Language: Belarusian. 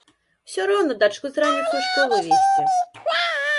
Усё роўна дачку з раніцы ў школу весці.